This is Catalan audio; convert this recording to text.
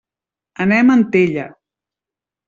Anem a Antella.